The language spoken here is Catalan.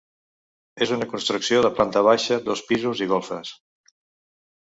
És una construcció de planta baixa, dos pisos i golfes.